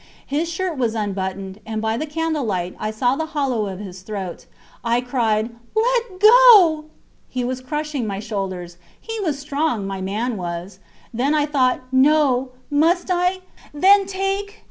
His shirt was unbuttoned, and, by the candle light, I saw the hollow of his throat. I cried: Let go! He was crushing my shoulders. He was strong, my man was! Then I thought: No! ... Must I? ... Then take!